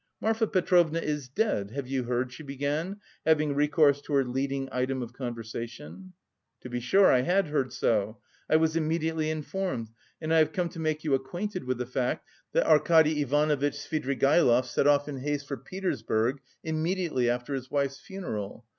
"Marfa Petrovna is dead, have you heard?" she began having recourse to her leading item of conversation. "To be sure, I heard so. I was immediately informed, and I have come to make you acquainted with the fact that Arkady Ivanovitch Svidrigaïlov set off in haste for Petersburg immediately after his wife's funeral.